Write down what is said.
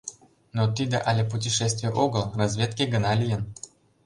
Но тиде але путешествий огыл, разведке гына лийын.